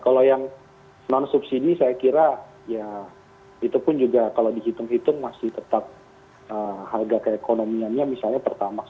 kalau yang non subsidi saya kira ya itu pun juga kalau dihitung hitung masih tetap harga keekonomiannya misalnya pertamax